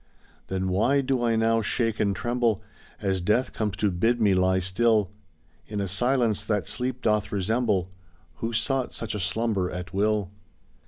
Then why do I now shake and tremble As death comes to bid me lie still, In a silence that sleep doth resemble Who sought such a slumber at will?